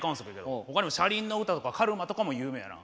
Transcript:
ほかにも「車輪の唄」とか「カルマ」とかも有名やな。